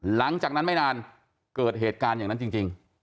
หลังจากนั้นไม่นานเกิดเหตุการณ์อย่างนั้นจริง